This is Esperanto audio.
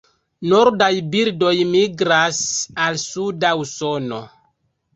Nordaj birdoj migras al suda Usono.